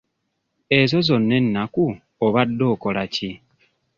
Ezo zonna ennaku obadde okola ki?